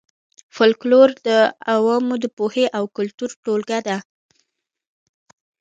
فولکلور د عوامو د پوهې او کلتور ټولګه ده